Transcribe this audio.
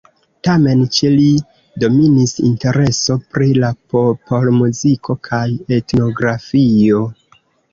Tamen ĉe li dominis intereso pri la popolmuziko kaj etnografio.